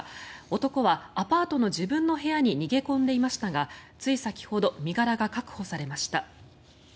男はアパートの自分の部屋に逃げ込んでいましたがつい先ほど身柄が確保されました。